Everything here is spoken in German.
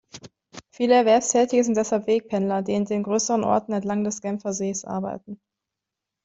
Viele Erwerbstätige sind deshalb Wegpendler, die in den grösseren Orten entlang des Genfersees arbeiten.